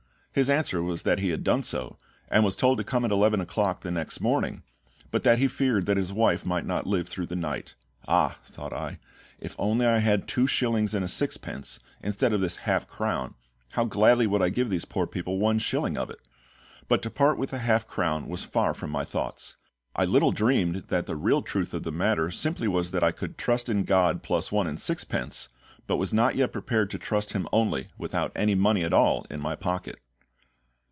His answer was that he had done so, and was told to come at eleven o'clock the next morning, but that he feared that his wife might not live through the night. "Ah," thought I, "if only I had two shillings and a sixpence instead of this half crown, how gladly would I give these poor people one shilling of it!" But to part with the half crown was far from my thoughts. I little dreamed that the real truth of the matter simply was that I could trust in GOD plus one and sixpence, but was not yet prepared to trust Him only, without any money at all in my pocket.